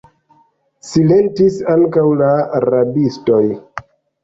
Silentis ankaŭ la rabistoj.